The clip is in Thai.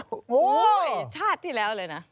โอ้โหชาติที่แล้วเลยนะ